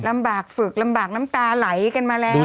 ลำบากฝึกลำบากน้ำตาไหลกันมาแล้ว